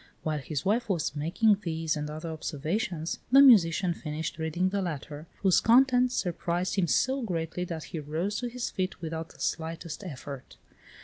While his wife was making these and other observations, the musician finished reading the letter, whose contents surprised him so greatly that he rose to his feet without the slightest effort.